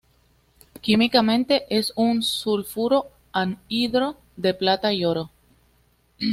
Químicamente es un sulfuro anhidro de plata y oro.